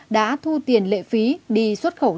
đã thu tiền lệ phí đi xuất khẩu lao động